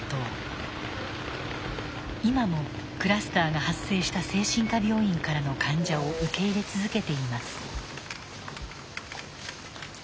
今もクラスターが発生した精神科病院からの患者を受け入れ続けています。